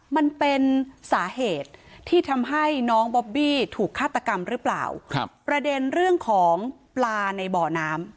มันเป็นสาเหตุที่ทำให้น้องบอบบี้ถูกฆาตกรรมหรือเปล่าครับประเด็นเรื่องของปลาในบ่อน้ำ